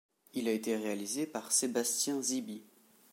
Il a été réalisé par Sébastien Zibi.